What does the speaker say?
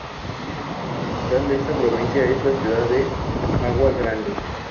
La Capital de esta provincia es la ciudad de Bagua Grande